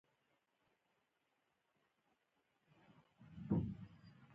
کاربن له اکسیجن سره تعامل کوي.